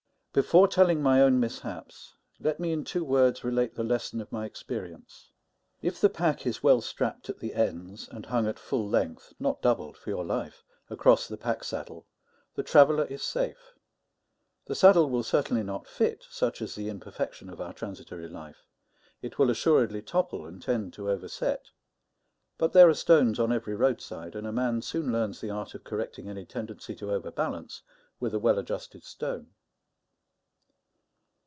Before telling my own mishaps, let me, in two words, relate the lesson of my experience. If the pack is well strapped at the ends, and hung at full length not doubled, for your life across the pack saddle, the traveller is safe. The saddle will certainly not fit, such is the imperfection of our transitory life; it will assuredly topple and tend to overset; but there are stones on every roadside, and a man soon learns the art of correcting any tendency to overbalance with a well adjusted stone.